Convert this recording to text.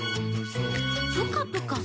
「プカプカ？